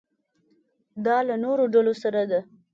دا له نورو ډلو سره ده.